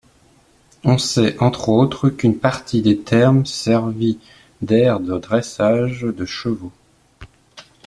On sait, entre autres, qu'une partie des thermes servit d'aire de dressage de chevaux.